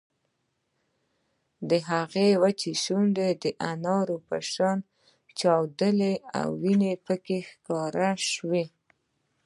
د هغې وچې شونډې د انارو په شان وچاودېدې او وينه پکې ښکاره شوه